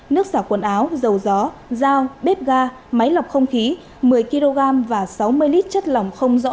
nước xả quần áo dầu gió dao bếp ga máy lọc không khí một mươi kg và sáu mươi lít chất lỏng không rõ